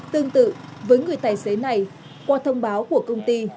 tương tự với người tài xế này qua thông báo của công ty